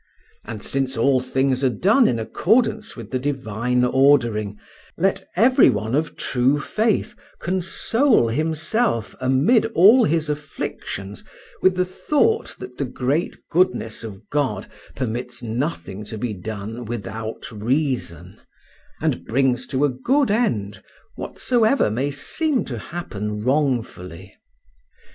And since all things are done in accordance with the divine ordering, let every one of true faith console himself amid all his afflictions with the thought that the great goodness of God permits nothing to be done without reason, and brings to a good end whatsoever may seem to happen wrongfully.